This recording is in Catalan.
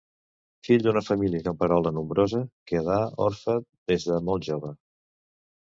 Fill d'una família camperola nombrosa, quedà orfe des de molt jove.